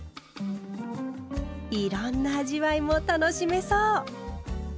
いろんな味わいも楽しめそう！